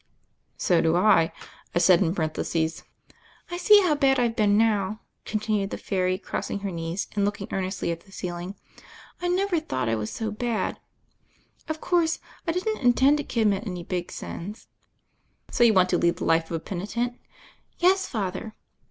"So do I," I said in parenthesis. "I see how bad I've been now," continued the Fairy, crossing her knees and looking earnestly at the ceiling. I never thought I was so bad. Of course, I didn't intend to conunit any big sms." "So you want to lead the life of a penitent?" "Yes, Father."